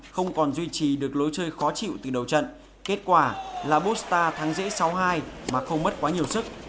không còn duy trì được lối chơi khó chịu từ đầu trận kết quả là busta thắng dễ sáu hai mà không mất quá nhiều sức